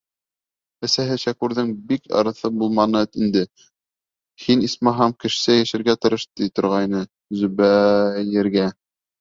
Әсәһе, Шәкүрҙең бик ырыҫы булманы инде, һин, исмаһам, кешесә йәшәргә тырыш, ти торғайны Зөбәйергә.